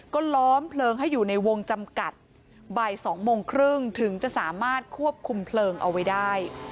ก็ล้อมเพลิงให้อยู่ในวงจำกัดบ่าย๒โมงครึ่งถึงจะสามารถควบคุมเพลิงเอาไว้ได้